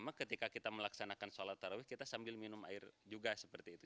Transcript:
jadi ketika kita melaksanakan sholat taraweeh kita sambil minum air juga seperti itu